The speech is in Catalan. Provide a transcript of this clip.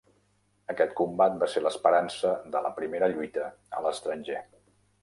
Aquest combat va ser l'esperança de la primera lluita a l'estranger.